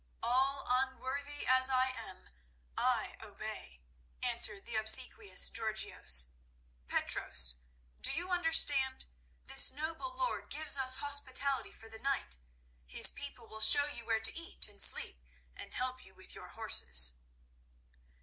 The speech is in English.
"All unworthy as I am, I obey," answered the obsequious Georgios. "Petros, do you understand? This noble lord gives us hospitality for the night. His people will show you where to eat and sleep, and help you with your horses."